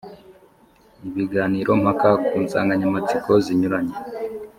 ibiganiro mpaka ku nsanganyamatsiko zinyuranye